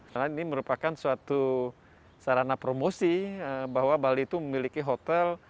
karena ini merupakan suatu sarana promosi bahwa bali itu memiliki hotel